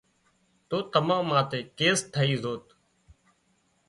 تو تمان ماٿي ڪيس ٿئي زوت